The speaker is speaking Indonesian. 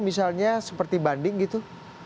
misalnya seperti banding gitu